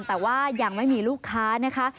แต่ว่ายังไม่มีลูกค้านะคะ